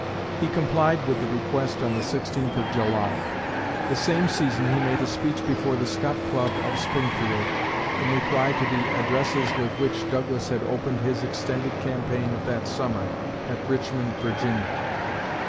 He complied with the request on the 16th of July. The same season he made a speech before the Scott Club of Springfield, in reply to the addresses with which Douglas had opened his extended campaign of that summer, at Richmond, Virginia.